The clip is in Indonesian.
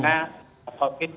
apakah akhir februari